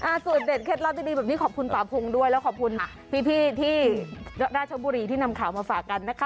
มาสูดเด็ดเคล็ดเล่าดีแบบนี้ขอบคุณป่าภูมิด้วยและขอบคุณพี่ที่ราชบุรีที่นำข่าวมาฝากกันนะคะ